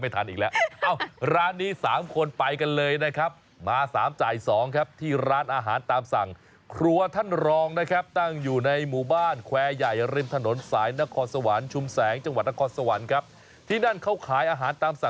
ที่นั่นเขาขายอาหารตามสั่งทุกอย่างในราคาจันทร์ละ๓๐บาท